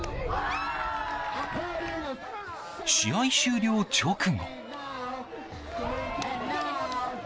試合終了直後。